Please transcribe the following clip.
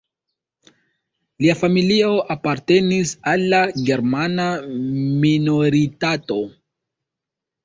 Lia familio apartenis al la germana minoritato.